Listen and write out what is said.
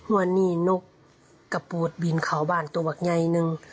วันนี้นกกระปูดบินเข้าบ้านตัวบักใยหนึ่ง